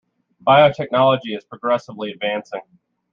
Biotechnology is progressively advancing.